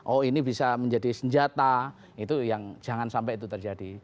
oh ini bisa menjadi senjata itu yang jangan sampai itu terjadi